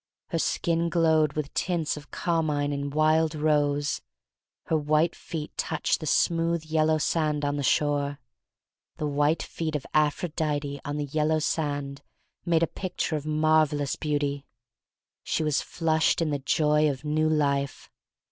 Her skin glowed with tints of carmine and wild rose. Her white feet touched the smooth, yellow sand on the shore. The white feet of Aphrodite on the yellow sand made a picture of marvelous THE STORY OF MARY MAC LANE 1 97 beauty. She was flushed in the joy of new life.